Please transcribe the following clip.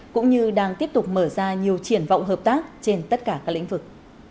cũng như đang tiếp tục mở ra nhiều triển vọng hợp tác trên tất cả các lĩnh vực